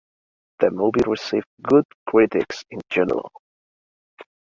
The movie received good critics in general.